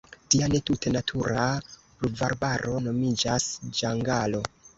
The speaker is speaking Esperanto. Tia ne tute natura pluvarbaro nomiĝas ĝangalo.